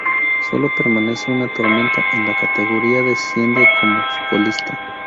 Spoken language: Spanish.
Sólo permanece una temporada en la categoría, desciende como colista.